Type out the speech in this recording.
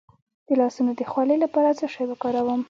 د لاسونو د خولې لپاره څه شی وکاروم؟